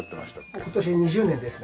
今年で２０年ですね。